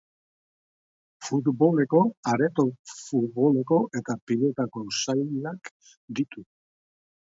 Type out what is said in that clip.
Futboleko, areto futboleko eta pilotako sailak ditu.